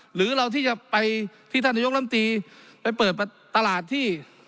หรือเราที่จะไปที่ธนยกลำตีไปเปิดประตาหลาดที่